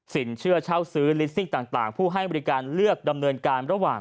เชื่อเช่าซื้อลิสซิ่งต่างผู้ให้บริการเลือกดำเนินการระหว่าง